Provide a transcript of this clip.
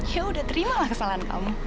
ya udah terima lah kesalahan kamu